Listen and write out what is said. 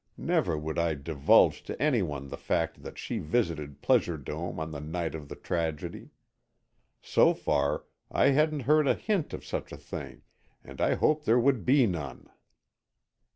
Never would I divulge to any one the fact that she visited Pleasure Dome on the night of the tragedy. So far, I hadn't heard a hint of such a thing, and I hoped there would be none.